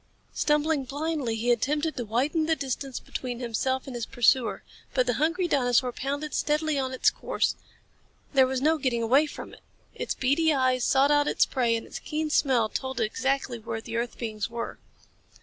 Stumbling blindly he attempted to widen the distance between himself and his pursuer. But the hungry dinosaur pounded steadily on its course. There was no getting away from it. Its beady eyes sought out its prey and its keen smell told it exactly where the earth beings were.